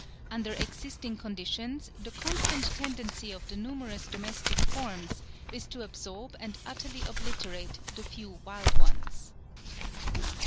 Under existing conditions, the constant tendency of the numerous domestic forms is to absorb and utterly obliterate the few wild ones.